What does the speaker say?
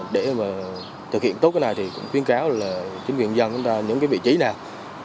để mà thực hiện tốt cái này thì cũng khuyến cáo là chính quyền dân chúng ta những cái vị trí nào